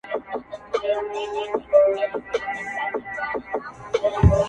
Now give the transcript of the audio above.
دکندهار یو مشهور تاجر او مخور کس و